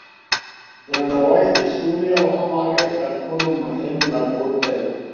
درناوی د سولې او همغږۍ تر ټولو مهم لارښود دی.